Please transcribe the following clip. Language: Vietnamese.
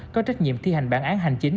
có trách nhiệm thi hành bản án hành chính